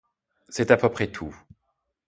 C’est à peu près tout.